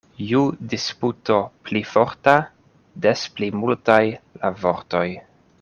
Ju disputo pli forta, des pli multaj la vortoj.